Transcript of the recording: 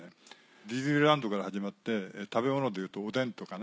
ディズニーランドから始まって食べ物でいうとおでんとかね